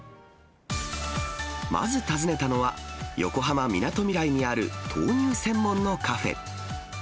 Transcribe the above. まず訪ねたのは、横浜・みなとみらいにある豆乳専門のカフェ。